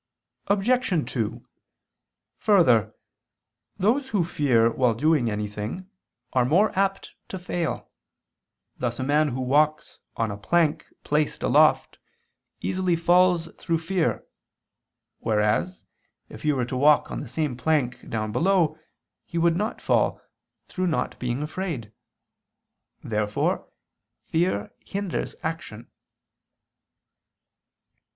Obj. 2: Further, those who fear while doing anything, are more apt to fail: thus a man who walks on a plank placed aloft, easily falls through fear; whereas, if he were to walk on the same plank down below, he would not fall, through not being afraid. Therefore fear hinders action.